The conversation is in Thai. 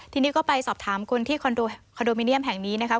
ทีนี้ก็ไปสอบถามคนที่คอนโดมิเนียมแห่งนี้นะครับ